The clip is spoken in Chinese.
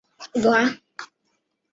束尾草属是禾本科下的一个属。